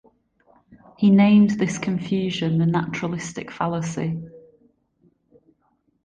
He named this confusion the naturalistic fallacy.